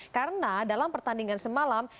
karena dalam pertandingan semalam